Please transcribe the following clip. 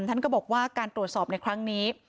ท่านก็บอกว่าการตรวจสอบในครั้งนี้